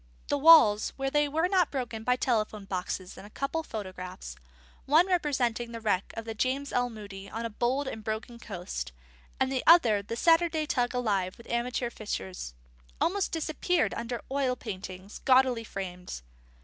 The walls, where they were not broken by telephone boxes and a couple of photographs one representing the wreck of the James L. Moody on a bold and broken coast, the other the Saturday tug alive with amateur fishers almost disappeared under oil paintings gaudily framed.